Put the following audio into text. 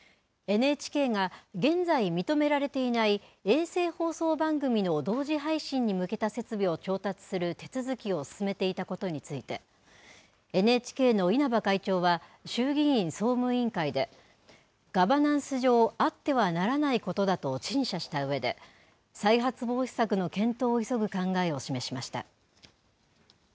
ＮＨＫが現在認められていない衛星放送番組の同時配信に向けた設備を調達する手続きを進めていたことについてＮＨＫの稲葉会長は衆議院総務委員会でガバナンス上あってはならないことだと陳謝したうえで再発防止策の検討を急ぐ考えを示しました。